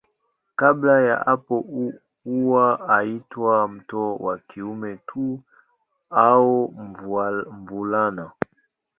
Kabla ya hapo huwa anaitwa mtoto wa kiume tu au mvulana.